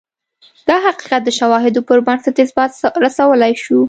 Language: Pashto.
دا حقیقت د شواهدو پربنسټ اثبات رسولای شو.